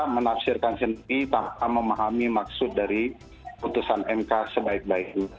menafsirkan sendiri tanpa memahami maksud dari putusan mk sebaik baiknya